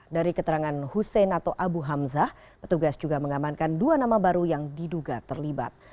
dari keterangan hussein atau abu hamzah petugas juga mengamankan dua nama baru yang diduga terlibat